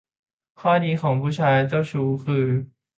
ข้อดีของผู้ชายเจ้าชู้คือ